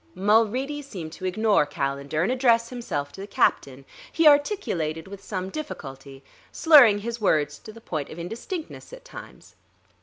Mulready seemed to ignore Calendar and address himself to the captain. He articulated with some difficulty, slurring his words to the point of indistinctness at times.